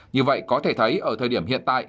như vậy có thể thấy ở thời điểm hiện tại